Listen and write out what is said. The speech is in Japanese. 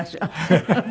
フフフ。